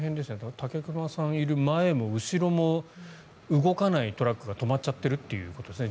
武隈さんがいる前も後ろも動かないトラックが止まっちゃってるということですね。